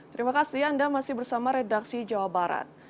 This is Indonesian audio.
terima kasih anda masih bersama redaksi jawa barat